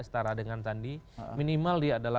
setara dengan sandi minimal dia adalah